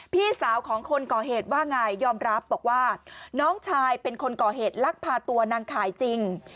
พี่สาวของคนก่อเหตุว่าไงยอมรับบอกว่าน้องชายเป็นคนก่อเหตุลักพาตัวนางขายจริง